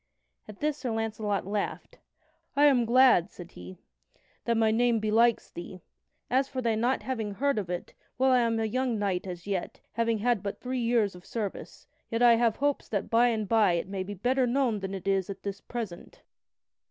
At this Sir Launcelot laughed: "I am glad," said he, "that my name belikes thee. As for thy not having heard of it well, I am a young knight as yet, having had but three years of service. Yet I have hopes that by and by it may be better known than it is at this present."